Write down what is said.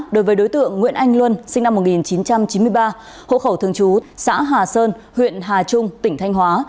đối với đối tượng nguyễn anh luân sinh năm một nghìn chín trăm chín mươi ba hộ khẩu thường trú xã hà sơn huyện hà trung tỉnh thanh hóa